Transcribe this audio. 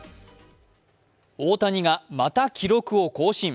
大谷がまた記録を更新。